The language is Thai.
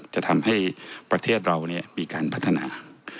จะทำให้ประเทศเรามีการพัฒนา